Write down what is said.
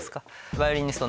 ヴァイオリニスト